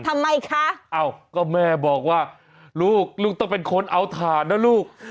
ทำไมคะอ้าวก็แม่บอกว่าลูกลูกต้องเป็นคนเอาถ่านนะลูก